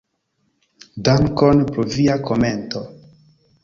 Dankon pro via komento.